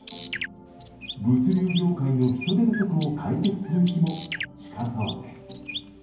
物流業界の人手不足を解決する日も近そうです。